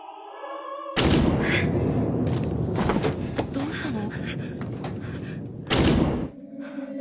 どうしたの？